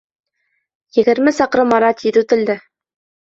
Егерме саҡрым ара тиҙ үтелде.